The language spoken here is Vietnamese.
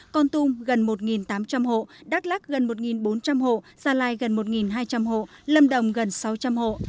con tum gần một tám trăm linh hộ đắk lắc gần một bốn trăm linh hộ gia lai gần một hai trăm linh hộ lâm đồng gần sáu trăm linh hộ